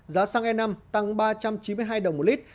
giá xăng e năm tăng ba trăm chín mươi hai đồng một lít